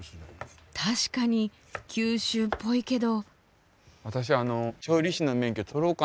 確かに九州っぽいけど。